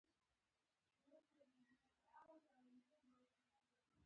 د جګړې لپاره چمتوالی ونیسئ